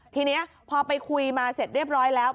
ทีนี้พอไปคุยมาเสร็จเรียบร้อยแล้ว